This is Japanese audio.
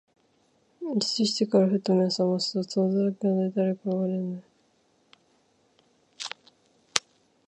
一睡してから、ふと眼めを覚ますと、戸外で誰かが我が名を呼んでいる。